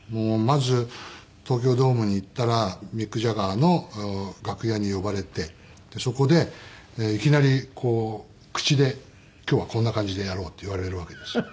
まず東京ドームに行ったらミック・ジャガーの楽屋に呼ばれてそこでいきなり口で「今日はこんな感じでやろう」って言われるわけです。